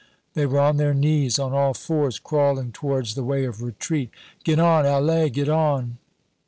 They were on their knees, on all fours, crawling towards the way of retreat: "Get on, allez, get on!"